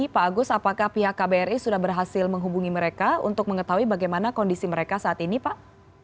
pak agus apakah pihak kbri sudah berhasil menghubungi mereka untuk mengetahui bagaimana kondisi mereka saat ini pak